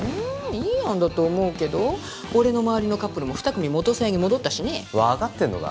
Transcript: いい案だと思うけど俺の周りのカップルも二組元サヤに戻ったしねわかってんのか？